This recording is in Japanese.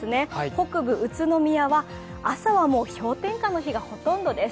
北部、宇都宮は朝は氷点下の日がほとんどです。